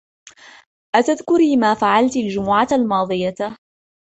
أتذكري ما فعلتِ الجمعة الماضية؟